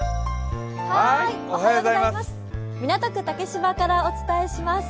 港区竹芝からお伝えします。